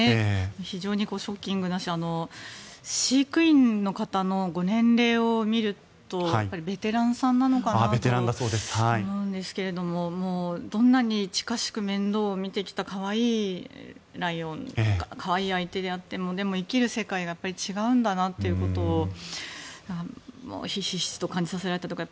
非常にショッキングだし飼育員の方のご年齢を見るとベテランさんなのかなと思うんですがどんなに近しく面倒を見てきた可愛い相手であってもでも生きる世界がやっぱり違うんだなということをひしひしと感じさせられたというか。